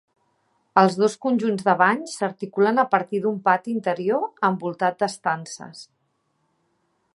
Els dos conjunts de banys s'articulen a partir d'un pati interior envoltat d'estances.